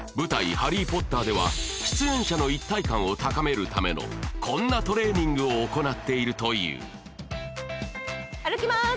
「ハリー・ポッター」では出演者の一体感を高めるためのこんなトレーニングを行っているという歩きます